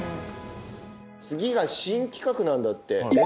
次が新企画なんだって。